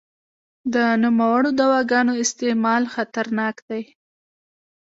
د نوموړو دواګانو استعمال خطرناک دی.